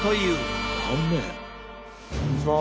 こんにちは。